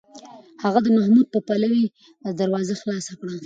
هغه د محمود په پلوۍ دروازه خلاصه کړه.